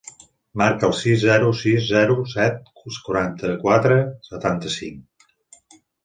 Marca el sis, zero, sis, zero, set, quaranta-quatre, setanta-cinc.